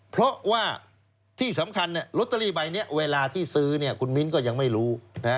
เพราะว่าที่สำคัญลอตเตอรี่ใบนี้เวลาที่ซื้อคุณมิ้นก็ยังไม่รู้